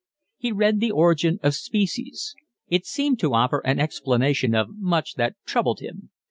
He read The Origin of Species. It seemed to offer an explanation of much that troubled him.